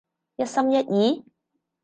一心一意？